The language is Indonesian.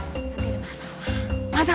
nanti ada masalah